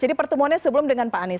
jadi pertemuan sebelum dengan pak anies